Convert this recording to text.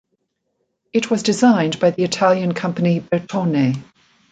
It was designed by the Italian company Bertone.